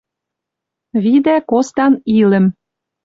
Видӓ костан Ил-ӹм